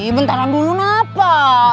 bentar abun apa